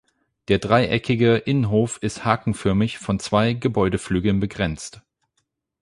Der dreieckige Innenhof ist hakenförmig von zwei Gebäudeflügeln begrenzt.